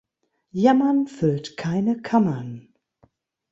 Jammern füllt keine Kammern.